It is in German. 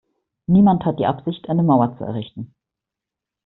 Niemand hat die Absicht eine Mauer zu errichten.